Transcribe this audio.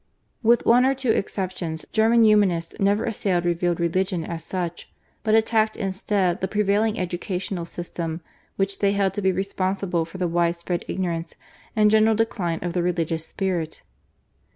With one or two exceptions German Humanists never assailed revealed religion as such, but attacked instead the prevailing educational system, which they held to be responsible for the widespread ignorance and general decline of the religious spirit.